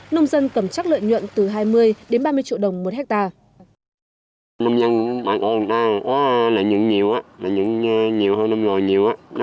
nông dân cầm chắc lợi nhuận từ hai mươi đến ba mươi triệu đồng một hectare